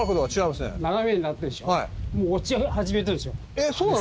えっそうなの？